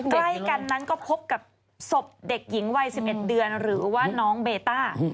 ใกล้กันนั้นก็พบกับศพเด็กหญิงวัย๑๑เดือนหรือว่าน้องเบต้า